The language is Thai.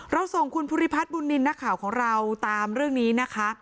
ส่งคุณภูริพัฒน์บุญนินทร์นักข่าวของเราตามเรื่องนี้นะคะ